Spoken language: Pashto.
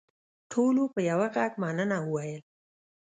ټولو په یوه غږ مننه وویل.